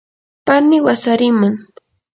pani wasariman.